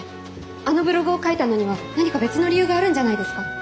あのブログを書いたのには何か別の理由があるんじゃないですか？